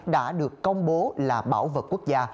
đã được công bố là bảo vật quốc gia